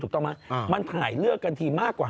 ถูกต้องไหมมันถ่ายเลือกกันทีมากกว่า